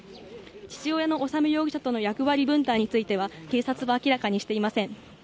父親の修容疑者との役割分担については警察は明らかにしていません。